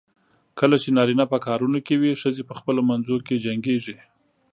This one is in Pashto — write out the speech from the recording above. کله چې نارینه په کارونو کې وي، ښځې په خپلو منځو کې جنګېږي.